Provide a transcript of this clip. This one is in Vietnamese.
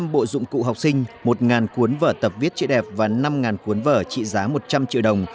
sáu trăm linh bộ dụng cụ học sinh một cuốn vở tập viết chịu đẹp và năm cuốn vở trị giá một trăm linh triệu đồng